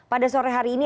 pada sore hari ini